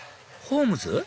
ホームズ？